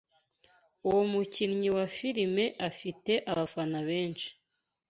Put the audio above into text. Uwo mukinnyi wa firime afite abafana benshi.